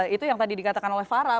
itu yang tadi dikatakan oleh farah